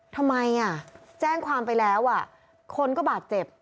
ทำไมแจ้งความไปแล้วคนก็บาดเจ็บ